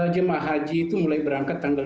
jemaah haji itu mulai berangkat tanggal dua puluh tiga